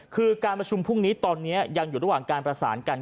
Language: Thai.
คือการประชุมพรุ่งนี้ตอนนี้ยังอยู่ระหว่างการประสานกัน